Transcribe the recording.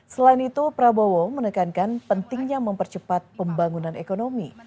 selain itu prabowo menekankan pentingnya mempercepat pembangunan ekonomi